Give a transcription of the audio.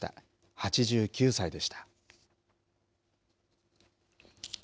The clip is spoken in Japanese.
８９歳でした。